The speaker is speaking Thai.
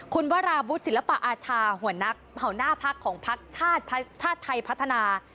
คุณวราบุธศิลปะอาชาหัวหน้าพรรคของพรรคชาติชาติไทยพัฒนา